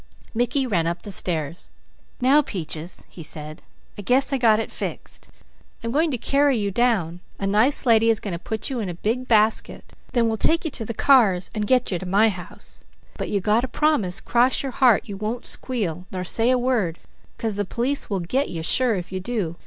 Mickey ran up the stairs. "Now Peaches," he said, "I guess I got it fixed. I'm going to carry you down; a nice lady is going to put you in a big basket, then we'll take you to the cars and so get you to my house; but you got to promise, 'cross your heart, you won't squeal, nor say a word, 'cause the police will 'get' you sure, if you do.